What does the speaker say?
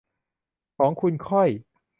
ของคุณค่อย